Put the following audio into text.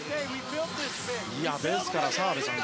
ですから、澤部さん